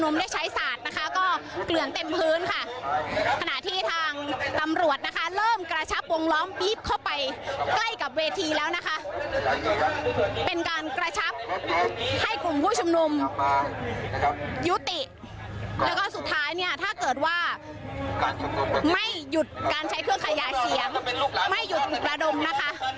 ไม่ใช้เครื่องขยายเสียงไม่หยุดประดมนะคะ